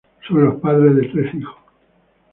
Son los padres de tres hijos.